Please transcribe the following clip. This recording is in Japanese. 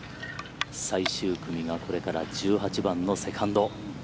最終組がこれから１８番のセカンド。